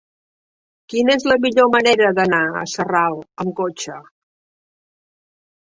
Quina és la millor manera d'anar a Sarral amb cotxe?